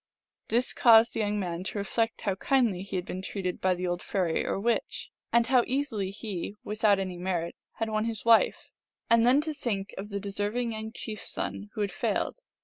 This caused the young man to reflect how kindly he had been treated by the old fairy or witch, and how easily he, without any merit, had won his wife, and then to think of the deserving young chief s son who had failed.